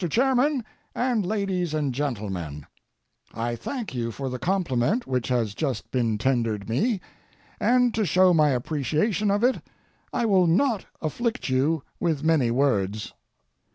CHAIRMAN AND LADIES AND GENTLEMEN,—I thank you for the compliment which has just been tendered me, and to show my appreciation of it I will not afflict you with many words.